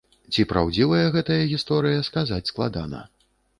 Ці праўдзівая гэтая гісторыя, сказаць складана.